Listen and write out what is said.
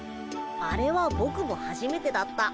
あれはボクもはじめてだった。